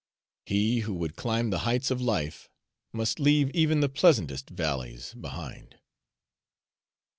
He who would climb the heights of life must leave even the pleasantest valleys behind.